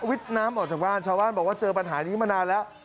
น้ำออกจากบ้านชาวบ้านบอกว่าเจอปัญหานี้มานานแล้ว